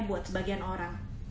buat sebagian orang